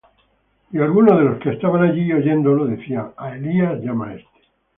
Y algunos de los que estaban allí, oyéndolo, decían: A Elías llama éste.